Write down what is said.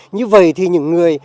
như vậy thì những người